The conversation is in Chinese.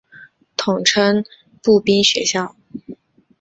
通称步兵学校。